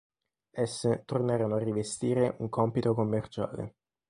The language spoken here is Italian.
Esse tornarono a rivestire un compito commerciale.